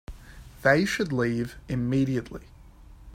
They should leave immediately.